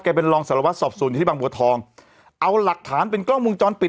เป็นรองสารวัตรสอบสวนอยู่ที่บางบัวทองเอาหลักฐานเป็นกล้องวงจรปิด